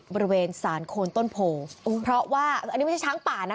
บริเวณสารโคนต้นโพเพราะว่าอันนี้ไม่ใช่ช้างป่านะ